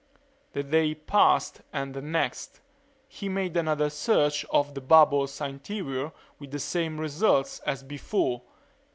The day passed, and the next. He made another search of the bubble's interior with the same results as before.